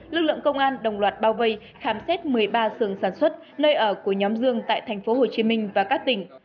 lực lượng công an đồng loạt bao vây khám xét một mươi ba xường sản xuất nơi ở của nhóm dương tại thành phố hồ chí minh và các tỉnh